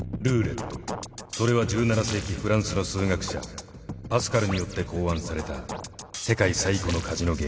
それは１７世紀フランスの数学者パスカルによって考案された世界最古のカジノゲーム。